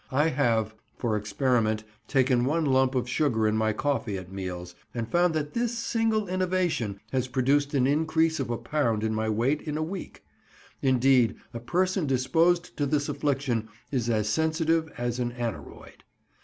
I have for experiment taken one lump of sugar in my coffee at meals, and found that this single innovation has produced an increase of a pound in my weight in a week; indeed, a person disposed to this affliction is as sensitive as an aneroid.